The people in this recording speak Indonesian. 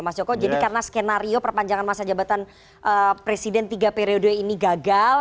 mas joko jadi karena skenario perpanjangan masa jabatan presiden tiga periode ini gagal